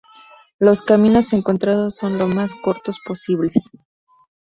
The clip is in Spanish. Los caminos encontrados son lo más cortos posibles.